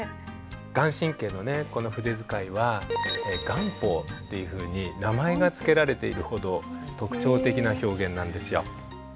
顔真のねこの筆使いは顔法っていうふうに名前が付けられているほど特徴的な表現なんですよ。